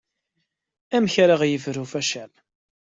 Amek ara ɣ-yebru facal.